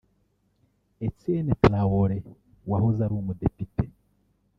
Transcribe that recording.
Étienne Traoré wahoze ari umudepite